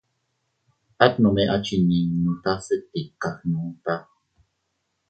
At nome a chinninuta se tika gnuta.